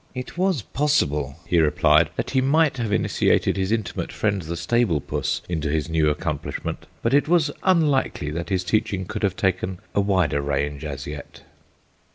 It was possible, he replied, that he might have initiated his intimate friend the stable puss into his new accomplishment, but it was unlikely that his teaching could have taken a wider range as yet.